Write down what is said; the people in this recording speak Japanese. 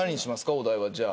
お題はじゃあ。